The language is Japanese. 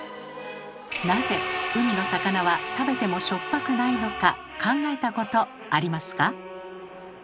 なぜ海の魚は食べてもしょっぱくないのか考えたことありますか？